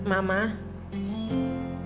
atau mengambil alihnya